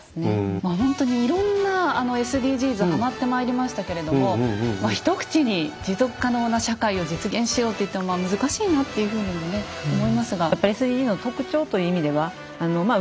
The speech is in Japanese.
まあほんとにいろんなＳＤＧｓはまってまいりましたけれども一口に持続可能な社会を実現しようと言っても難しいなというふうにもね思いますが。